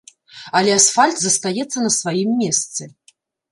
Але асфальт застаецца на сваім месцы.